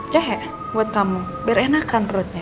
jahe buat kamu biar enakan perutnya